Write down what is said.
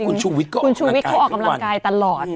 คุณชุวิตก็ออกกำลังกายตลอด